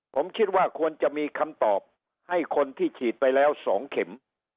ผมคิดว่าควรจะมีคำตอบให้คนที่ฉีดไปแล้ว๒เข็ม